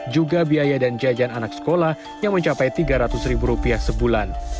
juga biaya dan jajan anak sekolah yang mencapai tiga ratus ribu rupiah sebulan